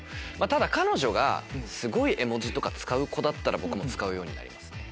彼女がすごい絵文字とか使う子だったら僕も使うようになります。